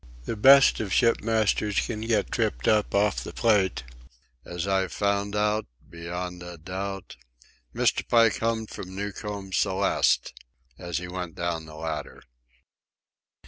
The best of ship masters can get tripped up off the Plate." "'As I've found out ... Beyond a doubt," Mr. Pike hummed from Newcomb's Celeste, as he went down the ladder.